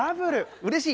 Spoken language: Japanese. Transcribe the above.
うれしい。